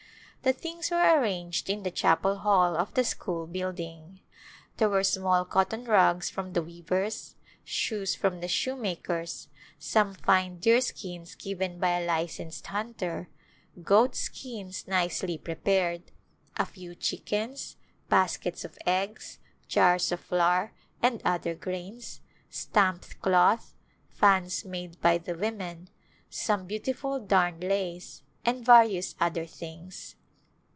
The things were arranged in the chapel hall of the school building. There were small cotton rugs from the weavers, shoes from the shoemakers, some fine deerskins given by a licensed hunter, goatskins nicely prepared, a few chickens, baskets of eggs, jars of flour and other grains, stamped cloth, fans made by the women, some beautiful darned lace, and vari ous other things.